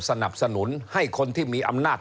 สนับสนุนให้คนที่มีอำนาจ